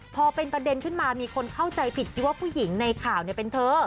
พอเป็นประเด็นขึ้นมามีคนเข้าใจผิดคิดว่าผู้หญิงในข่าวเป็นเธอ